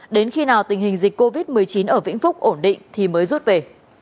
đến khi nào tình hình dịch covid một mươi chín ở vĩnh phúc ổn định thì mới rút về